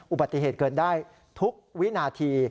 อุบัติเหตุเกิดได้ทุกวินาที